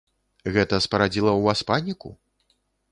Гэта спарадзіла ў вас паніку?